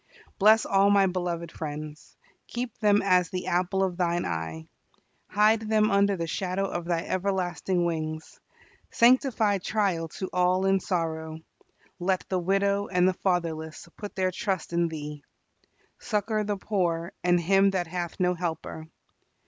Bless all my beloved friends. Keep them as the apple of Thine eye. Hide them under the shadow of Thy everlasting wings. Sanctify trial to all in sorrow. Let the widow and the fatherless put their trust in Thee. Succor the poor and him that hath no helper.